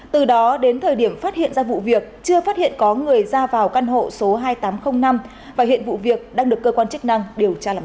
từ đó đến thời điểm phát hiện ra vụ việc chưa phát hiện có người ra vào căn hộ số hai nghìn tám trăm linh năm và hiện vụ việc đang được cơ quan chức năng điều tra làm rõ